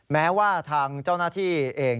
แม้ว่าทางเจ้าหน้าที่เอง